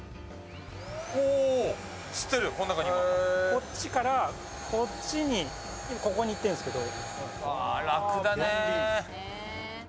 こっちからこっちに、ここに行ってるんですけど。